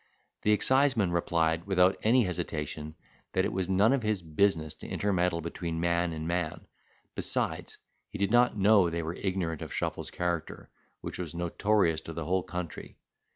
The exciseman replied, without any hesitation, that it was none of his business to intermeddle between man and man; besides, he did not know they were ignorant of Shuffle's character, which was notorious to the whole country.